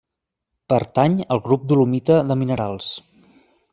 Pertany al grup dolomita de minerals.